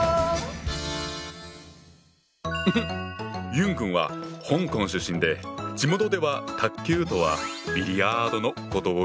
ユン君は香港出身で地元では卓球とはビリヤードのことを言うんだ。